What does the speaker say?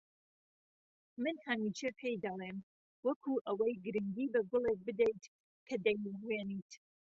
من هەمیشە پێی دەڵێم وەکو ئەوەی گرنگی بە گوڵێک بدەیت کە دەیڕوێنیت